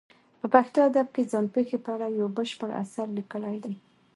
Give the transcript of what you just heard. په پښتو ادب کې ځان پېښې په اړه یو بشپړ اثر لیکلی دی.